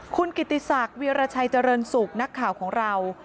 คุณกิติศักดิ์วีรชัยเจริญสุขนักข่าวของเรา